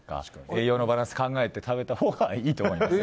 栄養のバランスを考えて食べたほうがいいと思います。